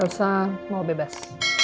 elsa mau bebas